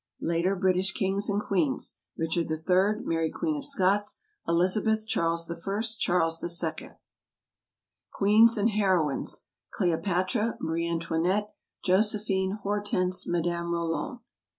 Later British Kings and Queens. RICHARD III. MARY QUEEN OF SCOTS. ELIZABETH. CHARLES I. CHARLES II. V. Queens and Heroines. CLEOPATRA. MARIA ANTOINETTE. JOSEPHINE. HORTENSE. MADAME ROLAND.